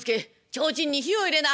提灯に火を入れな」。